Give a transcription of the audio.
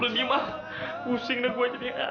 udah diem ah pusing dan gua jadi kayak